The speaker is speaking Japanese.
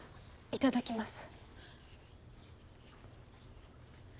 いただきます。